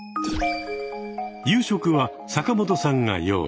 夕食は坂本さんが用意。